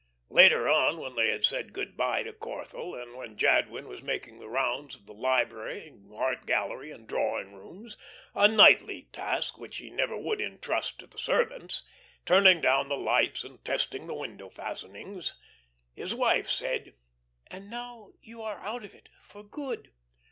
Later on when they had said good by to Corthell, and when Jadwin was making the rounds of the library, art gallery, and drawing rooms a nightly task which he never would intrust to the servants turning down the lights and testing the window fastenings, his wife said: "And now you are out of it for good."